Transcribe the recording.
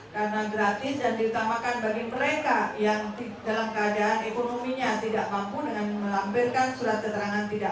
karena gratis dan diutamakan bagi mereka yang dalam keadaan ekonominya tidak mampu dengan melampirkan surat keterangan tidak mampu dari desa